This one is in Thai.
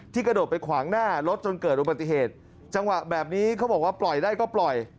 กระโดดไปขวางหน้ารถจนเกิดอุบัติเหตุจังหวะแบบนี้เขาบอกว่าปล่อยได้ก็ปล่อย